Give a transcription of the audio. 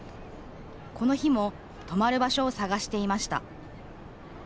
この日も泊まる場所を探していました。